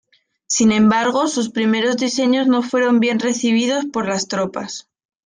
Sin embargo, sus primeros diseños no fueron bien recibidos por las tropas.